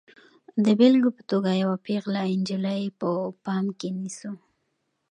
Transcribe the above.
د بېلګې په توګه یوه پیغله نجلۍ په پام کې نیسو.